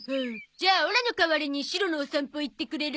じゃあオラの代わりにシロのお散歩行ってくれる？